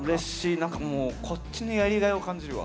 何かもうこっちのやりがいを感じるわ。